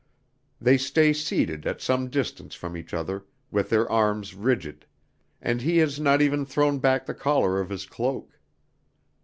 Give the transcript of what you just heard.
They stay seated at some distance from each other with their arms rigid; and he has not even thrown back the collar of his cloak.